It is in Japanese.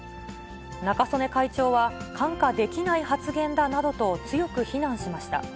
中曽根会長は、看過できない発言だなどと強く非難しました。